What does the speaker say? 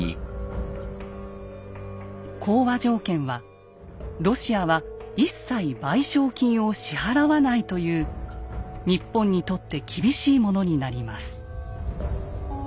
講和条件はロシアは一切賠償金を支払わないという日本にとって厳しいものになります。